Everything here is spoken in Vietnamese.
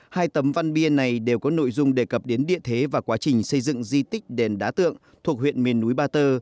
hai tấm văn bia này đều có nội dung đề cập đến địa thế và quá trình xây dựng di tích đền đá tượng thuộc huyện miền núi ba tơ